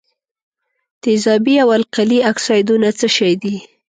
تیزابي او القلي اکسایدونه څه شی دي؟